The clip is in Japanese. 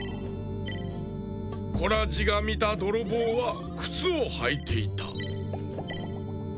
コラジがみたどろぼうはくつをはいていた。